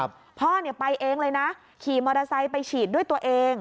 พ่อเนี่ยไปเองเลยนะขี่มอเตอร์ไซค์ไปฉีดด้วยตัวเอง